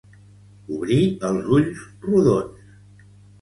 Obrir els ulls rodons.